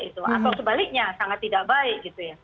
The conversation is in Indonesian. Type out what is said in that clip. atau sebaliknya sangat tidak baik